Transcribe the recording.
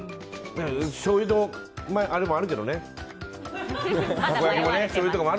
しょうゆのあれもあるけどね。